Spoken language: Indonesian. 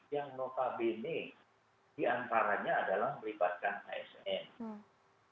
yang notabene diantaranya adalah melibatkan asn